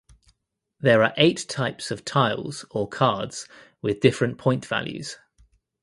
There are eight types of tiles or cards with different point values.